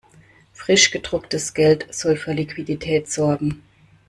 Frisch gedrucktes Geld soll für Liquidität sorgen.